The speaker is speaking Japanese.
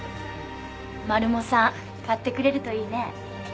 マルモさん買ってくれるといいね。